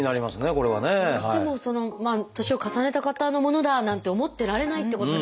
これはね。どうしても年を重ねた方のものだなんて思ってられないってことですよね